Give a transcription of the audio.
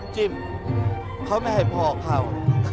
จิ้มเขาไม่ให้พ่อเขา